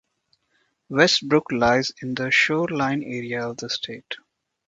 Westbrook lies in the shoreline area of the state.